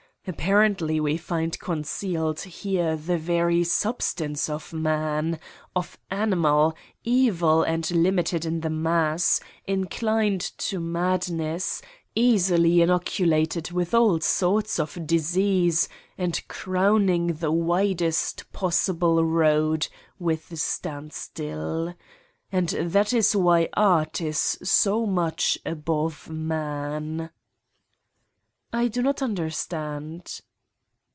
Apparently we find concealed here the very substance of man, of animal, evil and limited in the mass, inclined to madness, eas ily inoculated with all sorts of disease and crown ing the widest possible road with a standstill. And that is why Art is so much above Man !' J "I do not understand.